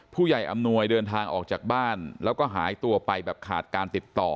อำนวยเดินทางออกจากบ้านแล้วก็หายตัวไปแบบขาดการติดต่อ